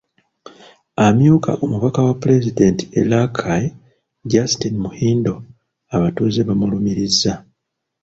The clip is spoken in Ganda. Amyuka omubaka wa Pulezidenti e Rakai, Justine Muhindo abatuuze bamulumirizza.